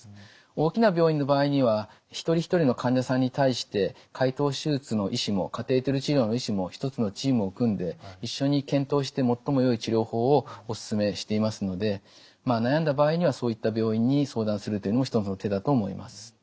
大きな病院の場合には一人一人の患者さんに対して開頭手術の医師もカテーテル治療の医師も一つのチームを組んで一緒に検討して最もよい治療法をおすすめしていますので悩んだ場合にはそういった病院に相談するというのも一つの手だと思います。